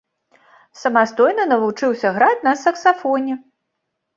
Самастойна навучыўся граць на саксафоне.